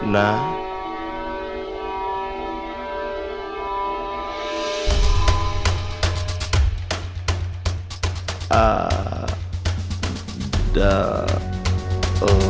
jadi aku bisa kabur dulu